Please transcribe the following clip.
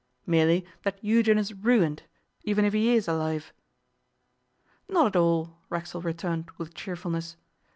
'Merely that Eugen is ruined, even if he is alive.' 'Not at all,' Racksole returned with cheerfulness.